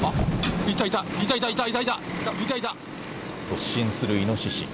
突進するイノシシ。